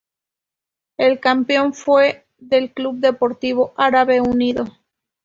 El campeón fue el Club Deportivo Árabe Unido.